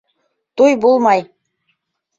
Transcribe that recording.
Туй булмай.